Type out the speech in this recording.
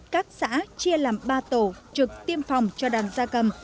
các xã chia làm ba tổ trực tiêm phòng cho đàn gia cầm